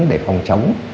để phòng chống